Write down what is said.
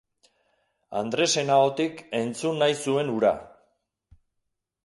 Andresen ahotik entzun nahi zuen hura.